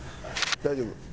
大丈夫。